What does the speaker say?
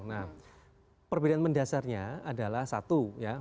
nah perbedaan mendasarnya adalah satu ya